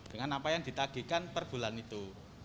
dengan apa yang ditagihkan per bulan itu